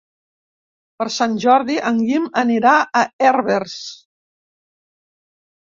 Per Sant Jordi en Guim anirà a Herbers.